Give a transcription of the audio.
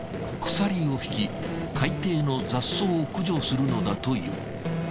鎖を引き海底の雑草を駆除するのだという。